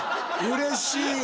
うれしい。